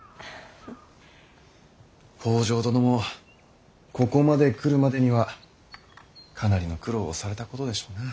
北条殿もここまで来るまでにはかなりの苦労をされたことでしょうな。